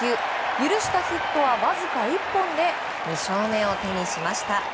許したヒットはわずか１本で２勝目を手にしました。